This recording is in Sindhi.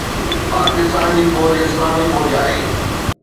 پاڪستان جي فوج اسلامي فوج آهي